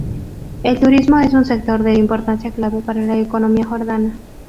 El turismo es un sector de importancia clave para la economía jordana.